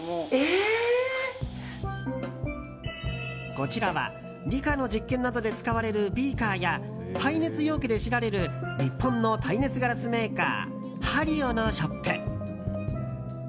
こちらは理科の実験などで使われるビーカーや耐熱容器で知られる日本の耐熱ガラスメーカーＨＡＲＩＯのショップ。